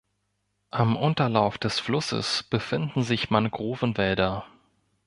Am Unterlauf des Flusses befinden sich Mangrovenwälder.